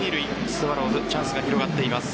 スワローズチャンスが広がっています。